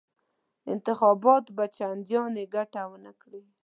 انتخابات به چنداني ګټه ونه کړي.